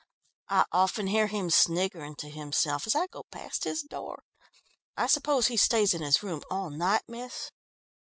"I often hear him sniggering to himself as I go past his door. I suppose he stays in his room all night, miss?"